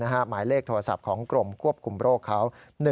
หมายเลขโทรศัพท์ของกรมควบคุมโรคเขา